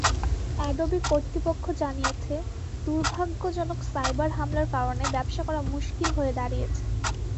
Adobe কর্তৃপক্ষ জানিয়েছে, দুর্ভাগ্যজনক সাইবার হামলার কারণে ব্যবসা করা মুশকিল হয়ে দাঁড়িয়েছে।